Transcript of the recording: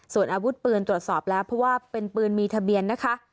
ส่วนอาวุธปืนตรวจสอบแล้วเพราะว่าเป็นปืนมีทะเบียนนะคะ